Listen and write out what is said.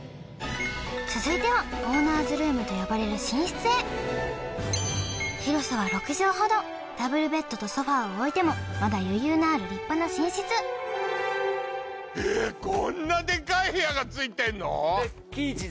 続いてはオーナーズルームと呼ばれる寝室へ広さは６畳ほどダブルベッドとソファーを置いてもまだ余裕のある立派な寝室はっは！